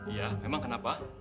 ya memang kenapa